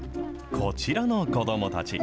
こちらの子どもたち。